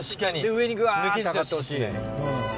上にぐわって上がってほしい。